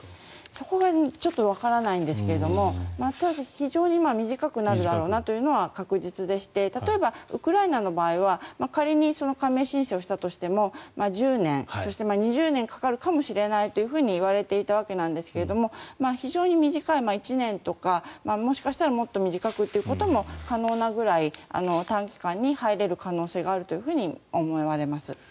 そこがちょっとわからないんですが非常に短くなるだろうなというのは確実でして例えば、ウクライナの場合は仮に加盟申請をしたとしても１０年そして２０年かかるかもしれないと言われていたわけなんですが非常に短い１年とか、もしかしたらもっと短くということも可能なぐらい短期間に入れる可能性があると思われます。